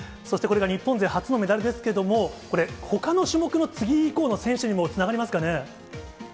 そしてこれが日本勢初のメダルですけれども、これ、ほかの種目の次以降の選手にも、つながりますかね？